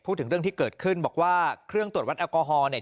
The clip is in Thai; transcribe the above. พูดถึงเรื่องที่เกิดขึ้นบอกว่าเครื่องตรวจวัดแอลกอฮอล์เนี่ย